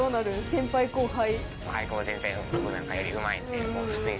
先輩後輩。